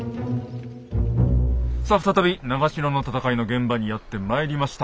さあ再び長篠の戦いの現場にやってまいりました。